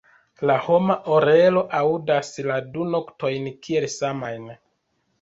La homa orelo aŭdas la du notojn kiel samajn.